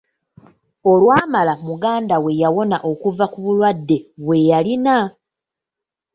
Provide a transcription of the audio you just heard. Olwamala muganda we yawona okuva ku bulwadde bwe yalina.